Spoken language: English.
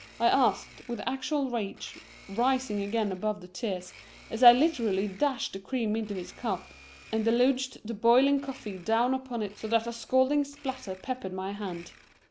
I asked with actual rage rising again above the tears as I literally dashed the cream into his cup and deluged the boiling coffee down upon it so that a scalding splatter peppered my hand.